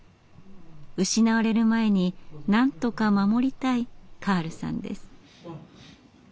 失われる前になんとか守りたいカールさんです。